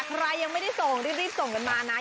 ใครยังไม่ได้ส่งรีบส่งกันมานะ